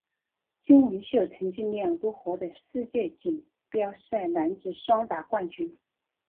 金文秀曾经两度赢得世界锦标赛男子双打冠军。